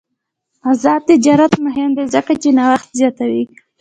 آزاد تجارت مهم دی ځکه چې نوښت زیاتوي.